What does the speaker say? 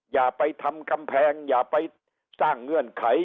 อย่าไปทำกำแพงอย่าไปสร้างเงื่อนไข